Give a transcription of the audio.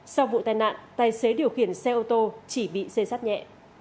sau vụ tai nạn tài xế điều khiển xe ô tô chỉ bị xây sát nhẹ